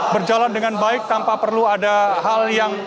berjalan dengan baik tanpa perlu ada hal yang